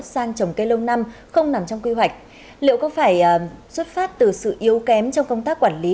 sang trồng cây lâu năm không nằm trong quy hoạch liệu có phải xuất phát từ sự yếu kém trong công tác quản lý